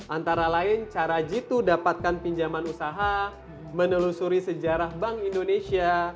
antara lain cara jitu dapatkan pinjaman usaha menelusuri sejarah bank indonesia